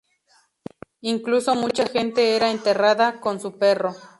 Incluso mucha gente era enterrada con su perro.